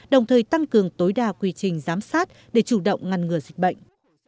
đồng thời tăng cường tối đa quy trình giám sát để chủ động ngăn ngừa dịch bệnh